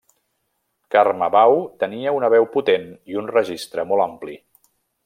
Carme Bau tenia una veu potent i un registre molt ampli.